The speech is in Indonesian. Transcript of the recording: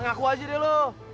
ngaku aja deh lo